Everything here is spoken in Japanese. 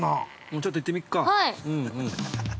ちょっと行ってみっか。